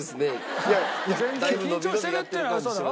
全然緊張してるっていうのはウソだろ？